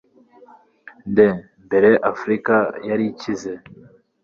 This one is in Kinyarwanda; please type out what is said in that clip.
Nde mbere Afurika yari ikize